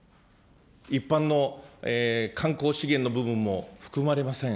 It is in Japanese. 一般の観光資源の部分も含まれません。